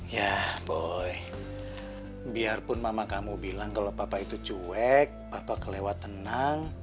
ya boleh biarpun mama kamu bilang kalau papa itu cuek papa kelewat tenang